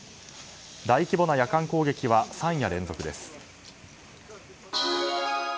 大規模な夜間攻撃は３夜連続です。